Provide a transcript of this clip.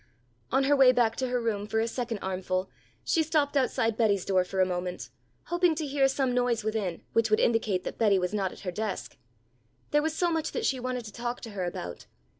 On her way back to her room for a second armful, she stopped outside Betty's door for a moment, hoping to hear some noise within, which would indicate that Betty was not at her desk. There was so much that she wanted to talk to her about.